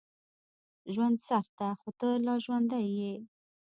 ژوند سخت ده، خو ته لا ژوندی یې.